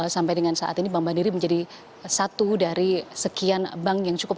sampai dengan saat ini bank mandiri menjadi satu dari sekian bank yang cukup